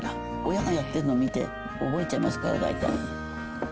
親がやってるの見て、覚えちゃいますから、大体。